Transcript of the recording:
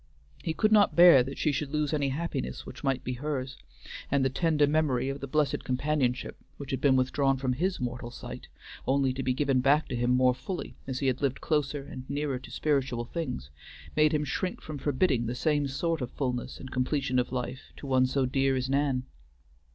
He could not bear that she should lose any happiness which might be hers; and the tender memory of the blessed companionship which had been withdrawn from his mortal sight only to be given back to him more fully as he had lived closer and nearer to spiritual things, made him shrink from forbidding the same sort of fullness and completion of life to one so dear as Nan.